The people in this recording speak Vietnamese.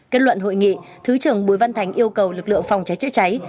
kết luận hội nghị thứ trưởng bùi văn thành yêu cầu lực lượng phòng cháy chữa cháy